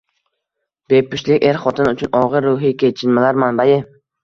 Bepushtlik er-xotin uchun og‘ir ruhiy kechinmalar manbai.